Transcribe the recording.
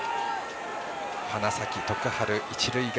花咲徳栄、一塁側。